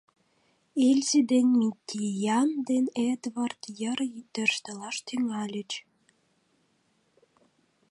— Эльзи ден Минтье Ян ден Эдвард йыр тӧрштылаш тӱҥальыч.